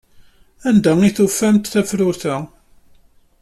Anda ay tufamt tafrut-a?